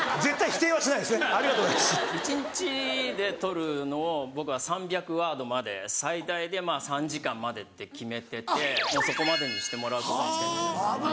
一日でとるのを僕は３００ワードまで最大で３時間までって決めててそこまでにしてもらうことにしてるんです。